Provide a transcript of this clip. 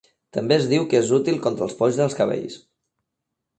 També es diu que és útil contra els polls dels cabells.